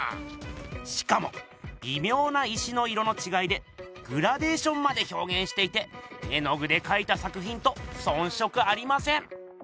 しかもびみょうな石の色のちがいでグラデーションまでひょうげんしていて絵の具でかいた作ひんとそんしょくありません。